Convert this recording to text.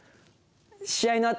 試合のあと